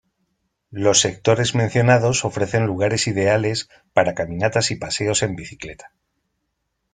Los sectores mencionados ofrecen lugares ideales para caminatas y paseos en bicicleta.